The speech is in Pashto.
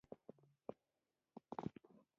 ویالې څنګه پاکې کړو؟